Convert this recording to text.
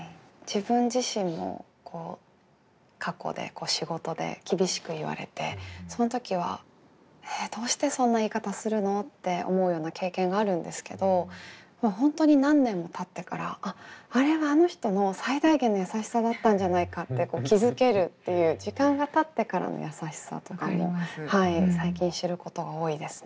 自分自身の過去で仕事で厳しく言われてその時は「えっどうしてそんな言い方するの？」って思うような経験があるんですけど本当に何年もたってから「あっあれはあの人の最大限のやさしさだったんじゃないか」って気付けるっていう時間がたってからのやさしさとかも最近知ることが多いですね。